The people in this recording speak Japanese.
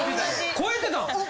超えてたん！？